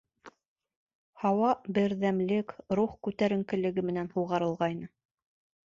Һауа берҙәмлек, рух күтәренкелеге менән һуғарылғайны.